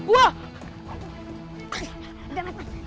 udah matt matt